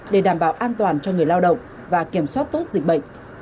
để đảm bảo an toàn cho người lao động và kiểm soát tốt dịch bệnh